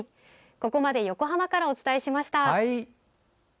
ここまで横浜からお伝えしました。